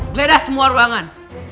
geledah semua ruangan